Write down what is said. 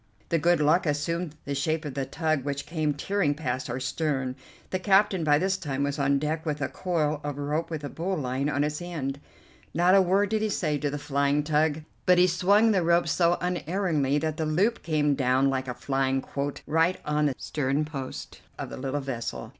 The good luck assumed the shape of a tug which came tearing past our stern. The captain by this time was on deck with a coil of rope with a bowline on its end. Not a word did he say to the flying tug, but he swung the rope so unerringly that the loop came down like a flying quoit right on the sternpost of the little vessel.